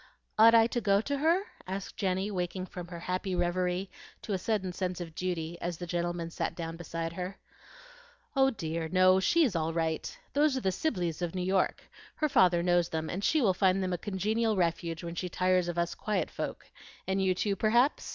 "Ought I to go to her?" asked Jenny, waking from her happy reverie to a sudden sense of duty as the gentleman sat down beside her. "Oh dear, no, she is all right. Those are the Sibleys of New York. Her father knows them, and she will find them a congenial refuge when she tires of us quiet folk; and you too, perhaps?"